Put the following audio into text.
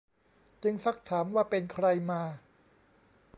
จึงซักถามว่าเป็นใครมา